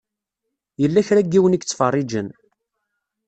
Yella kra n yiwen i yettfeṛṛiǧen.